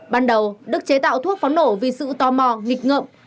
ban đầu đức chế tạo thuốc pháo nổ vì sự tò mò nghịch ngợm